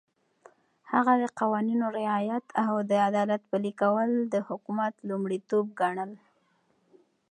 هغه د قوانينو رعایت او د عدالت پلي کول د حکومت لومړيتوب ګڼله.